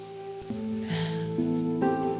dari kesemenamenaannya bang jajang